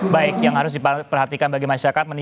baik yang harus diperhatikan bagi masyarakat